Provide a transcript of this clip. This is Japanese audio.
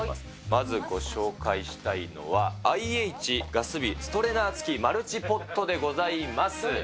まずご紹介したいのは、ＩＨ・ガス火ストレーナー付きマルチポットでございます。